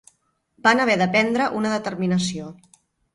Van haver de prendre una determinació